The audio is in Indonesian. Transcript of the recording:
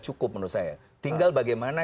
cukup menurut saya tinggal bagaimana